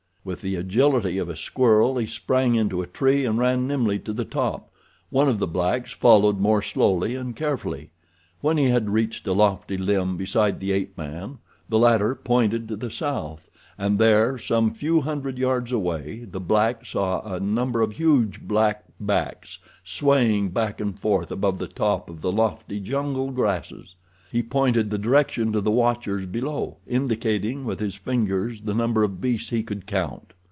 With the agility of a squirrel he sprang into a tree and ran nimbly to the top. One of the blacks followed more slowly and carefully. When he had reached a lofty limb beside the ape man the latter pointed to the south, and there, some few hundred yards away, the black saw a number of huge black backs swaying back and forth above the top of the lofty jungle grasses. He pointed the direction to the watchers below, indicating with his fingers the number of beasts he could count.